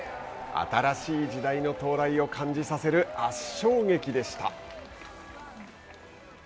新しい時代の到来を感じさせる圧勝劇でした。